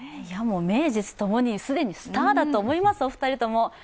名実共に既にスターだと思います、２人とも。